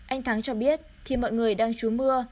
anh thắng cho biết khi mọi người đang trú mưa